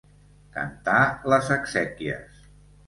Cantar les exèquies.